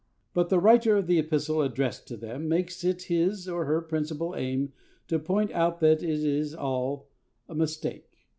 But the writer of the epistle addressed to them makes it his or her principal aim to point out that it is all a mistake.